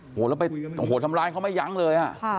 โหแล้วไปทำร้ายเขาไม่ยังเลยอ่ะ